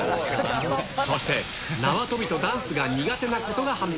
そして、縄跳びとダンスが苦手なことが判明。